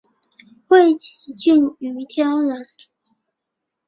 会稽郡余姚人。